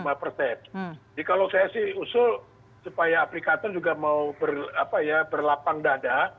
jadi kalau saya sih usul supaya aplikator juga mau berlapang dada